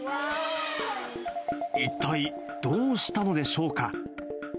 一体どうしたのでしょうか。